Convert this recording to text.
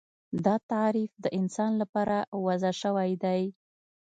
دا تعریف د انسان لپاره وضع شوی دی